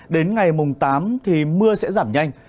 đến ngày mùng tám mưa sẽ giảm nhanh